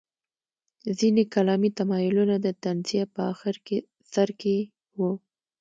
ځینې کلامي تمایلونه د تنزیه په اخر سر کې وو.